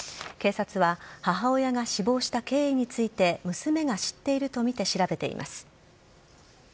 警察は母親が死亡した経緯について娘が知っているとみて調べています。